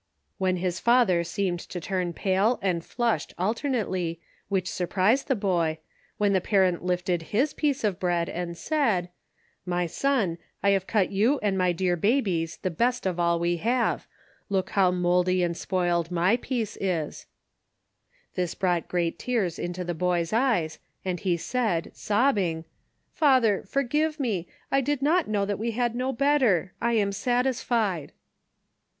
" When his father seemed to turn pale, and flushed alter nately, which surprised the boy, when the parent lifted his piece of bread and said :" My son, I have cut you and my dear babies the best of all we have, look how mouldy and spoiled my piece is I " This brought great tears into the boy's eyes, and he said, sobbing : "Father, forgive me, I did not know that we had no better ; I am satisfied."